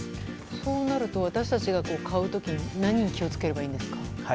そうなると私たちが買う時何に気を付ければいいんですか。